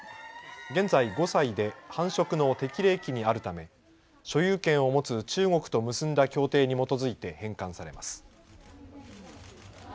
現在５歳で繁殖の適齢期にあるため所有権を持つ中国と結んだ協定に基づいて返還されます。